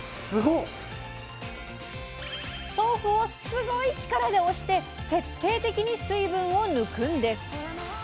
豆腐をすごい力で押して徹底的に水分を抜くんです！